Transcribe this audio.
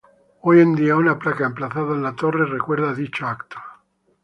Hoy en día una placa emplazada en la torre recuerdo dicho evento.